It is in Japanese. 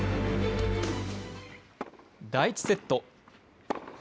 第１セット。